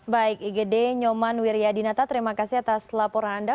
baik igd nyoman wiryadinata terima kasih atas laporan anda